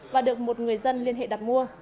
và được một người dân liên hệ đặt mua